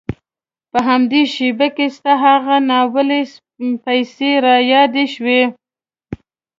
په همدې شېبه کې ستا هغه ناولې پيسې را یادې شوې.